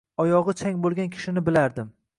Oyogʻi chang boʻlgan kishini bilardim.